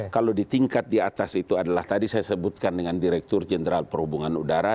kalau di tingkat di atas itu adalah tadi saya sebutkan dengan direktur jenderal perhubungan udara